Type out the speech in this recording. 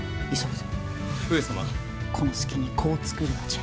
この隙に子を作るのじゃ。